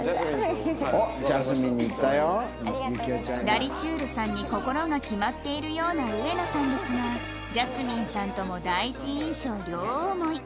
ダリちゅーるさんに心が決まっているような植野さんですがジャスミンさんとも第一印象両思い